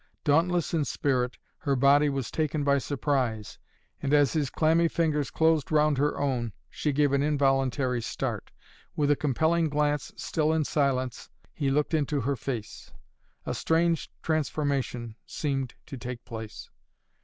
Dauntless in spirit, her body was taken by surprise, and as his clammy fingers closed round her own she gave an involuntary start. With a compelling glance, still in silence, he looked into her face. A strange transformation seemed to take place.